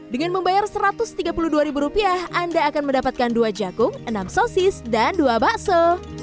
dengan membayar rp satu ratus tiga puluh dua anda akan mendapatkan dua jagung enam sosis dan dua bakso